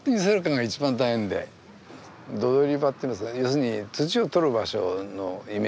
土採り場っていうんですが要するに土を採る場所のイメージですよね。